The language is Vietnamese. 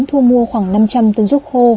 thu mua khoảng năm trăm linh tấn ruốc khô